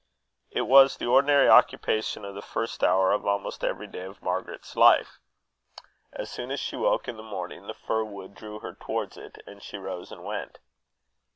It was the ordinary occupation of the first hour of almost every day of Margaret's life. As soon as she woke in the morning, the fir wood drew her towards it, and she rose and went.